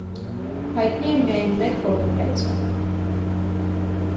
Հայտնի է միայն մեկ պոպուլյացիա։